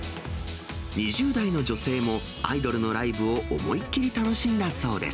２０代の女性も、アイドルのライブを思いっ切り楽しんだそうです。